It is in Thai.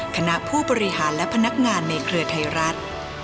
คณะผู้บริหารและพนักงานในเครือไทยรัฐ